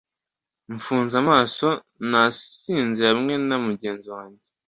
mfunze amaso, nasinze hamwe na mugenzi wanjye